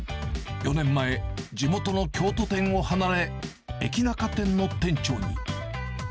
４年前、地元の京都店を離れ、エキナカ店の店長に。